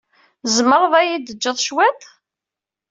Tzemreḍ ad iyi-d-jjeḍ cwiṭ?